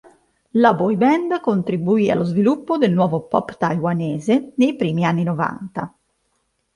La boy band contribuì allo sviluppo del nuovo pop taiwanese nei primi anni novanta.